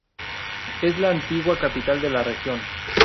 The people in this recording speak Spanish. Es la antigua capital de la región.